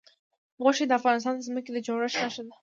غوښې د افغانستان د ځمکې د جوړښت نښه ده.